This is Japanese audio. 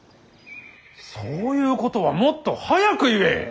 そういうことはもっと早く言え！